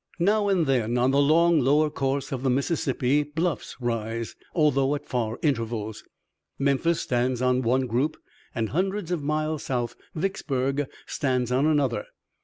Now and then on the long, lower course of the Mississippi, bluffs rise, although at far intervals. Memphis stands on one group and hundreds of miles south Vicksburg stands on another.